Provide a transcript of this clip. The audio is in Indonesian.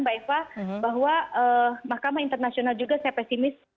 bahwa mahkamah internasional juga saya pesimis